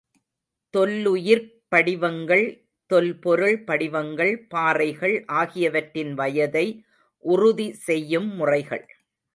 தொல்லுயிர்ப்படிவங்கள், தொல்பொருள் படிவங்கள், பாறைகள் ஆகியவற்றின் வயதை உறுதி செய்யும் முறைகள்.